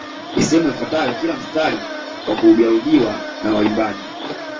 Misemo ifuatayo kila mstari kwa kurudiwarudiwa na waimbaji